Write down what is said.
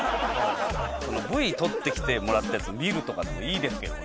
Ｖ撮ってきてもらったやつを見るとかでもいいですけどね。